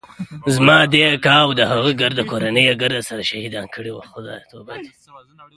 زما ادې اکا او د هغه ګرده کورنۍ يې ګرد سره شهيدان کړي وو.